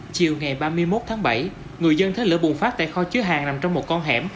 chiều ngày ba mươi một tháng bảy người dân thế lửa bùng phát tại kho chứa hàng nằm trong một con hẻm